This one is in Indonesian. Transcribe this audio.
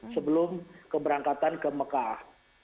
sebelum keberangkatan ke mekah